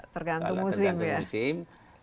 tergantung musim ya